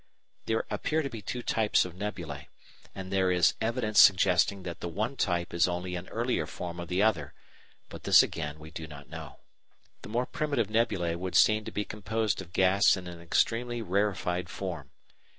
There appear to be two types of nebulæ, and there is evidence suggesting that the one type is only an earlier form of the other; but this again we do not know. The more primitive nebulæ would seem to be composed of gas in an extremely rarified form.